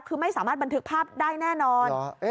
คือไม่สามารถบันทึกภาพได้แน่นอน